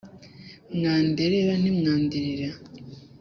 mwanderera ntimwandirira